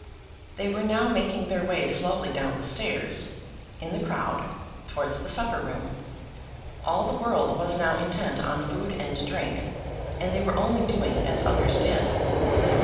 They were now making their way slowly down the stairs, in the crowd, towards the supper room. All the world was now intent on food and drink, and they were only doing as others did.